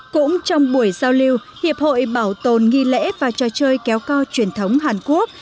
cũng trong buổi giao lưu hiệp hội bảo tồn nghi lễ và trò chơi kéo co truyền thống hàn quốc